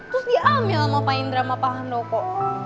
terus diambil sama pak indra sama pak handoko